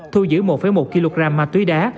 thu giữ một một kg ma túy đá